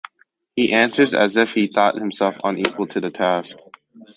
He answers as if he thought himself unequal to the task.